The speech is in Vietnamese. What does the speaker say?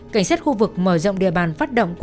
cảnh sát khu vực mở rộng địa bàn